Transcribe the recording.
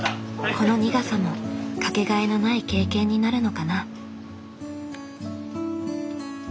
この苦さもかけがえのない経験になるのかな。